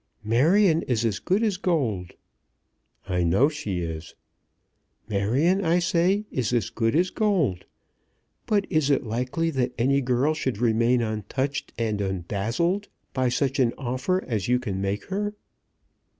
"Marion is as good as gold." "I know she is." "Marion, I say, is as good as gold; but is it likely that any girl should remain untouched and undazzled by such an offer as you can make her?"